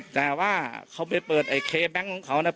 แต่ว่าเขาไปเปิดไอ้เคแบงค์ของเขาเนี่ย